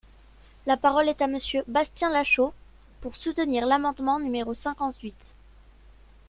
La parole est à Monsieur Bastien Lachaud, pour soutenir l’amendement numéro cinquante-huit.